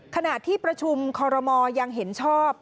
ขณะที่ประชุมคอรมอลยังเห็นชอบ